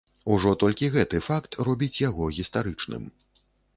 Ужо толькі гэты факт робіць яго гістарычным.